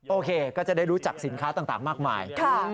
โอเคก็จะได้รู้จักสินค้าต่างมากมาย